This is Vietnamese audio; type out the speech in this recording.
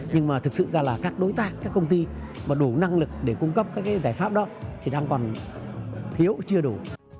nhưng mà thực sự ra là các đối tác các công ty mà đủ năng lực để cung cấp các giải pháp đó thì đang còn thiếu chưa đủ